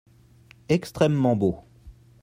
Extrêmement beau.